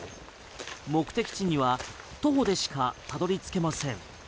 目的地には徒歩でしかたどり着けません。